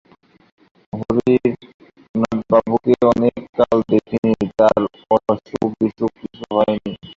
হরিচণবাবুকে অনেক কাল দেখি নি, তাঁর অসুখবিসুখ কিছু হয় নি?